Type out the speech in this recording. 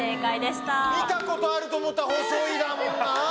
見た事あると思ったら「細い」だもんなあ。